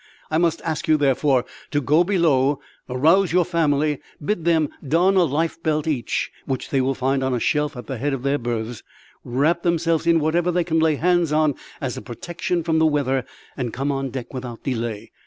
I must ask you, therefore, to go below, arouse your family, bid them don a life belt each which they will find on a shelf at the head of their berths wrap themselves in whatever they can lay hands on as a protection from the weather, and come on deck without delay.